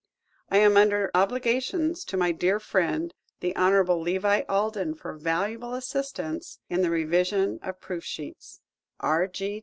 I am under obligations to my friend, the Hon. Levi Alden, for valuable assistance in the revision of proof sheets. R.